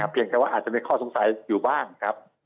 เพียงแค่ว่าอาจจะมีข้อสงสัยอยู่บ้างครับ